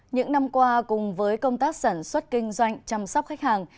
những năm qua cùng với công tác sản xuất kinh doanh chăm sóc khách hàng